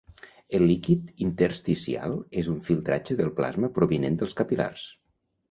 El líquid intersticial és un filtratge del plasma provinent dels capil·lars.